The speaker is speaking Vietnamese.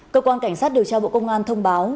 cơ quan cảnh sát điều tra bộ công an thông báo